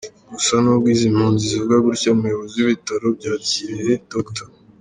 Gusa, nubwo izi mpunzi zivuga gutya, umuyobozi w’ibitaro bya Kirehe Dr.